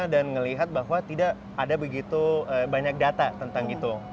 dan melihat bahwa tidak ada begitu banyak data tentang itu